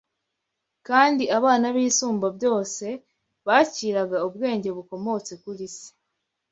kandi abana b’Isumbabyose bakiraga ubwenge bukomotse kuri Se.